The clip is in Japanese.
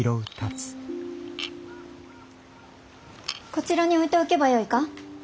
こちらに置いておけばよいか？